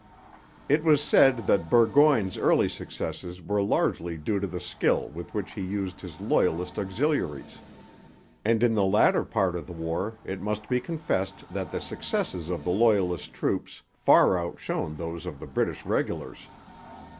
It was said that Burgoyne's early successes were largely due to the skill with which he used his Loyalist auxiliaries. And in the latter part of the war, it must be confessed that the successes of the Loyalist troops far outshone those of the British regulars.